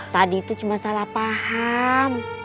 tadi itu cuma salah paham